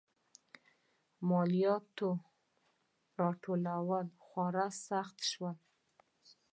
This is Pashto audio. مالیاتو راټولول خورا سخت شول.